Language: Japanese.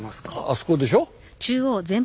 あそこでしょ。